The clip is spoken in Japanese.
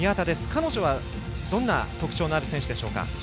彼女は、どんな特徴のある選手でしょうか？